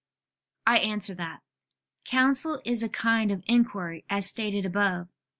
I answer that, Counsel is a kind of inquiry, as stated above (A.